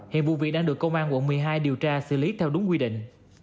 hiện vụ việc đang được công an quận một mươi hai điều tra xử lý theo đúng quy định